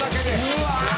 うわ！